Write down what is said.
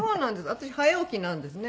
私早起きなんですね。